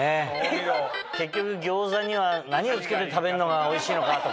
結局餃子には何を付けて食べるのがおいしいのかなとか。